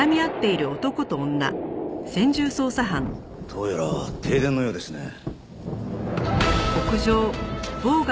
どうやら停電のようですね。